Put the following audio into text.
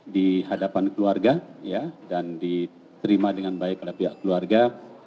di hadapan keluarga dan diterima dengan baik oleh pihak keluarga